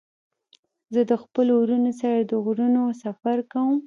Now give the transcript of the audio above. زه د خپلو ورونو سره د غرونو سفر کوم.